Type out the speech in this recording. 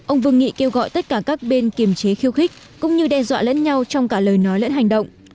ông vương nghị kêu gọi tất cả các bên kiềm chế khiêu khích cũng như đe dọa lẫn nhau trong cả lời nói lẫn hành động